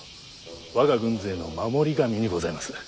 我が軍勢の守り神にございます。